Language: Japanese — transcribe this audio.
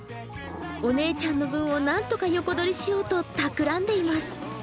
お姉ちゃんの分をなんとか横取りしようと企んでいます。